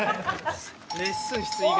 レッスン室以外。